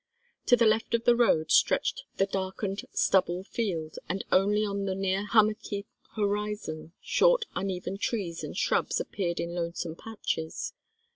To the left of the road stretched the darkened stubble field, and only on the near hummocky horizon short uneven trees and shrubs appeared in lonesome patches.